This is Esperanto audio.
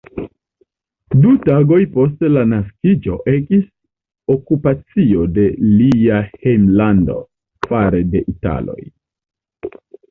Du tagoj post la naskiĝo ekis okupacio de lia hejmlando fare de Italoj.